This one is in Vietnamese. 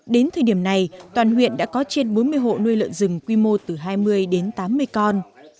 đến thời điểm này toàn huyện đã có trên bốn mươi hộ nuôi lợn rừng quy mô từ hai mươi đến tám mươi con